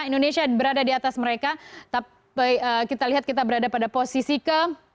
indonesia berada di atas mereka tapi kita lihat kita berada pada posisi keempat belas